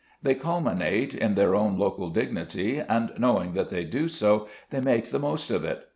They culminate in their own local dignity, and, knowing that they do so, they make the most of it.